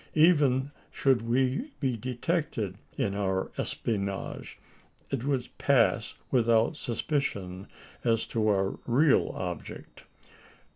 Even should we be detected in our espionage, it would pass without suspicion as to our real object.